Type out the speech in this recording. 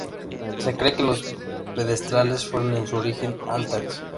Se cree que los pedestales fueron en su origen altares.